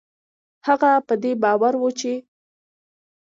هغه په دې باور و چې